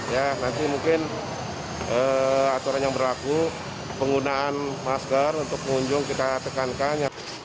ya nanti mungkin aturan yang berlaku penggunaan masker untuk pengunjung kita tekankan